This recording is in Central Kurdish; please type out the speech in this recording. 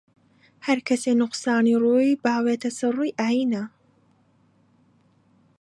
هەر کەسێ نوقسانی ڕووی باوێتە سەر ڕووی ئاینە